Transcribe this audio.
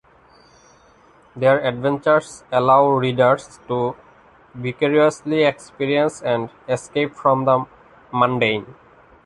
Their adventures allow readers to vicariously experience an escape from the mundane.